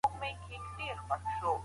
ته ولي دنده ترسره کوې؟